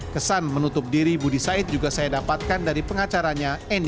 kesan menutup diri budi said juga saya dapatkan dari pengacaranya eni